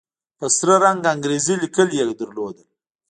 په سره رنگ انګريزي ليکل يې درلودل.